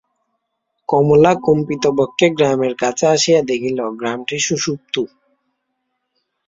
কমলা কম্পিতবক্ষে গ্রামের কাছে আসিয়া দেখিল, গ্রামটি সুষুপ্ত।